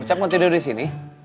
usep mau tidur disini